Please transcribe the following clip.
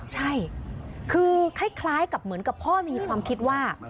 ใช่คือคล้ายกับเหมือนกับพ่อมีความคิดว่า